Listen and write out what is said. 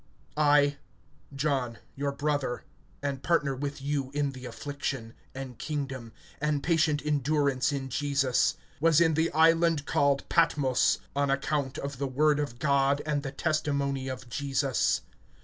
(9)I, John, your brother, and partner with you in the affliction, and kingdom, and patient endurance in Jesus, was in the island called Patmos, on account of the word of God and the testimony of Jesus.